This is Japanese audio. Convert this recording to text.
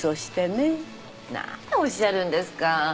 何おっしゃるんですか。